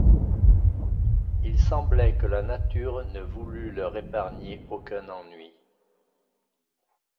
Il semblait que la nature ne voulût leur épargner aucun ennui.